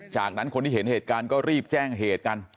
จากนั้นคนที่เห็นเหตุการณ์ก็รีบแจ้งเหตุกัน